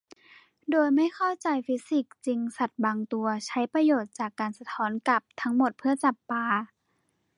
โดยไม่เข้าใจฟิสิกส์จริงสัตว์บางตัวใช้ประโยชน์จากการสะท้อนกลับทั้งหมดเพื่อจับปลา